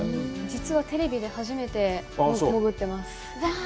実はテレビで初めて潜ってます。